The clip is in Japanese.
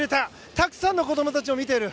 たくさんの子供たちも見ている。